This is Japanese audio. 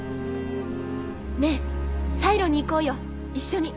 ねぇサイロに行こうよ一緒に。